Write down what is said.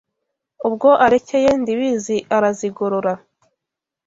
Ubwo arekeye Ndibizi arazigorora